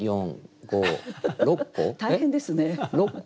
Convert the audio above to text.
大変ですね。